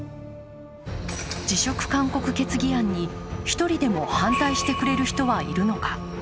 辞職勧告決議案に１人でも反対してくれる人はいるのか。